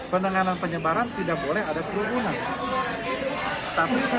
penanganan penyebaran tidak boleh ada kerumunan